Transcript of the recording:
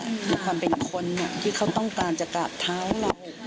มีความเป็นคนที่เขาต้องการจะกราบเท้าเรา